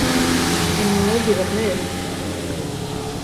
Ә миңә егерме өс.